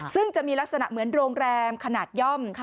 ซึ่งจะมีลักษณะเหมือนโรงแรมขนาดย่อม